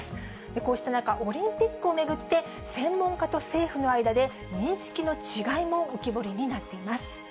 こうした中、オリンピックを巡って専門家と政府の間で、認識の違いも浮き彫りになっています。